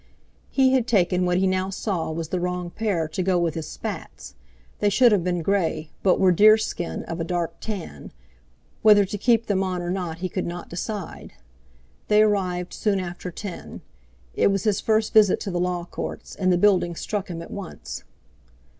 He had taken what he now saw was the wrong pair to go with his spats; they should have been grey, but were deerskin of a dark tan; whether to keep them on or not he could not decide. They arrived soon after ten. It was his first visit to the Law Courts, and the building struck him at once.